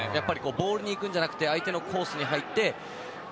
ボールに行くんじゃなくて相手のコースに入って。